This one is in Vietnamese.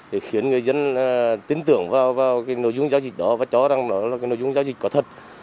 để khiến người dân tin tưởng vào cái nội dung giao dịch đó và cho rằng đó là cái nội dung giao dịch có thật